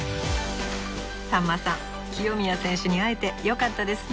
さんまさん清宮選手に会えてよかったですね。